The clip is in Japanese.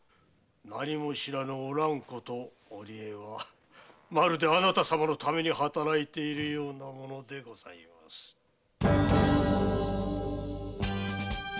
何も知らぬおらんこと織江はまるであなた様のために働いているようなものでございますな。